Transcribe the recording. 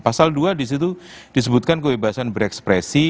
pasal dua disitu disebutkan kebebasan berekspresi